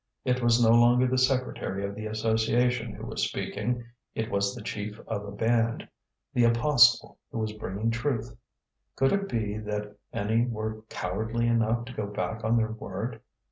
It was no longer the secretary of the association who was speaking; it was the chief of a band, the apostle who was bringing truth. Could it be that any were cowardly enough to go back on their word?